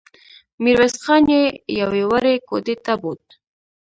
ميرويس خان يې يوې وړې کوټې ته بوت.